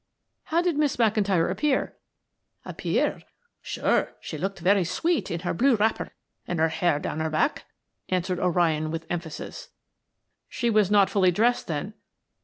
"How did Miss McIntyre appear?" "Appear? Sure, she looked very sweet in her blue wrapper and her hair down her back," answered O'Ryan with emphasis. "She was not fully dressed then?"